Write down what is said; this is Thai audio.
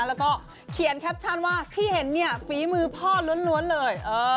แล้วก็เขียนแคปชั่นว่าที่เห็นเนี่ยฝีมือพ่อล้วนเลย